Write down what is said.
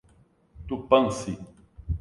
Tupãssi